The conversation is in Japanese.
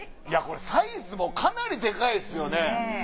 いやこれサイズもかなりデカイですよね。